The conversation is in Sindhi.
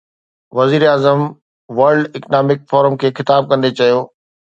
وزيراعظم ورلڊ اڪنامڪ فورم کي خطاب ڪندي چيو